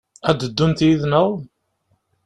Ad d-ddunt yid-neɣ?